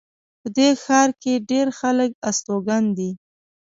په دې ښار کې ډېر خلک استوګن دي